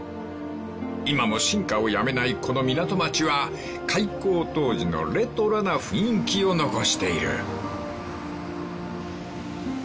［今も進化をやめないこの港町は開港当時のレトロな雰囲気を残している］